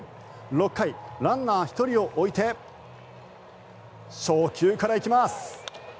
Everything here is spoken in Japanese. ６回、ランナー１人を置いて初球から行きます。